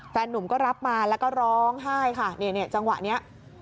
หนุ่มก็รับมาแล้วก็ร้องไห้ค่ะเนี่ยจังหวะนี้